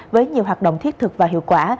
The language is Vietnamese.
với nhiều hoạt động thiết thực và hiệu quả